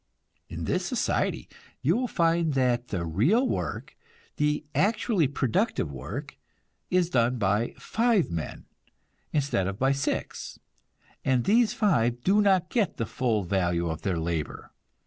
In this society you will find that the real work, the actually productive work, is done by five men, instead of by six, and these five do not get the full value of their labor.